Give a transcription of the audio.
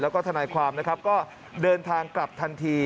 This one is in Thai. แล้วก็ทนายความนะครับก็เดินทางกลับทันที